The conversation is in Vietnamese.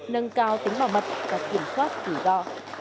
nâng cao tính bảo mật và kiểm soát kỷ do